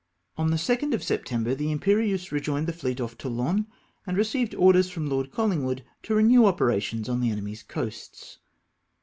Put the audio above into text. On the 2nd of September the Imperieuse rejoined 'the fleet oflf Toulon, and received orders from Lord Colhngwood to renew operations on the enemy's coasts.